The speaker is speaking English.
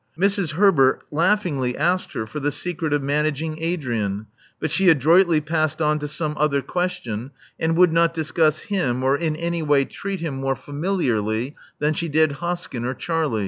Mrs. Herbert laugli ingly asked her for the secret of managing Adrian; but she adroitly passed on to some other question, and would not discuss him or in any way treat him more familiarly than she did Hoskyn or Charlie.